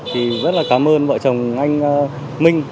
thì rất là cảm ơn vợ chồng anh minh